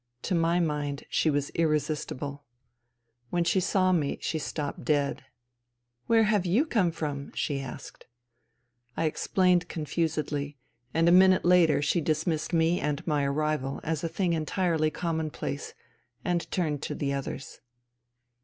To my mind si: was irresistible. When she saw me she stopped deac INTERVENING IN SIBERIA 125 " Where have you come from ?'* she asked. I explained confusedly, and a minute later she dismissed me and my arrival as a thing entirely commonplace, and turned to the others.